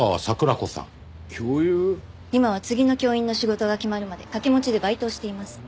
今は次の教員の仕事が決まるまで掛け持ちでバイトをしています。